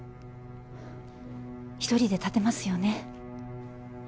１人で立てますよね？